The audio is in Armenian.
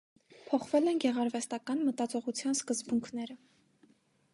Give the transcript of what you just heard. Փոխվել են գեղարվեստական մտածողության սկզբունքները։